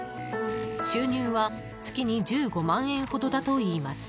収入は月に１５万円ほどだといいます。